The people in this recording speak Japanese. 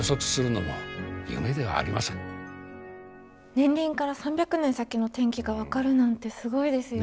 年輪から３００年先の天気が分かるなんてすごいですよね。